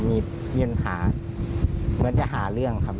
มีปัญหาเหมือนจะหาเรื่องครับ